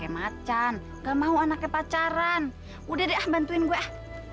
macan gak mau anaknya pacaran udah deh ah bantuin gue